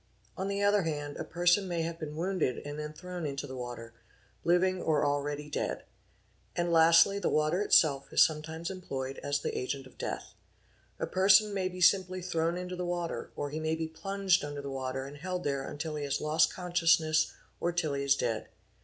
On the other hand a person may — have been wounded and then thrown into the water, living or already — dead; and lastly the water itself is sometimes employed as the agent — of death. A person may be simply thrown into the water, or he may k om plunged under the water and held there until he has lost consciousness, — or till he is dead.